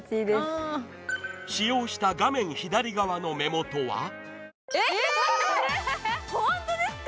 使用した画面左側の目元はえっ本当ですか？